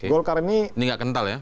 golkar ini nggak kental ya